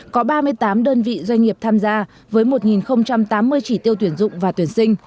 có ba mươi tám đơn vị doanh nghiệp tham gia với một tám mươi chỉ tiêu tuyển dụng và tuyển sinh